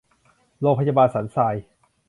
โรงพยาบาลสันทราย